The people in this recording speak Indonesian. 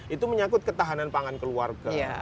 itu menyangkut ketahanan pangan keluarga